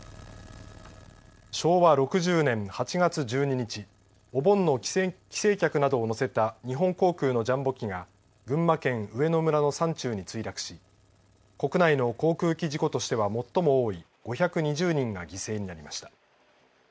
昭和６０年８月１２日お盆の帰省客などを乗せた日本航空のジャンボ機が群馬県上野村の山中に墜落し国内の航空機事故としては最も多い５２０人が犠牲になりました。